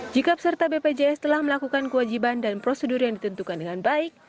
jika peserta bpjs telah melakukan kewajiban dan prosedur yang ditentukan dengan baik